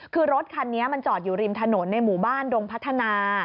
คือรถคันนี้มันจอดอยู่ริมถนนในหมู่บ้านดงพัฒนา